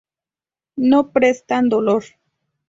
No presentan dolor.